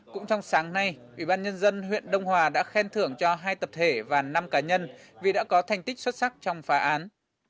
cũng trong sáng nay ủy ban nhân dân huyện đông hòa đã khen thưởng cho hai tập thể và năm cá nhân vì đã có thành tích xuất sắc trong phá án